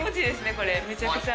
これめちゃくちゃ。